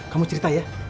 kamu cerita ya